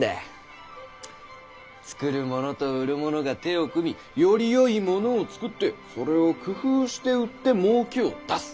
作る者と売る者が手を組みよりよいものを作ってそれを工夫して売ってもうけを出す。